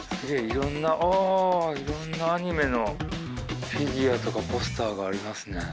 いろんなあいろんなアニメのフィギュアとかポスターがありますね。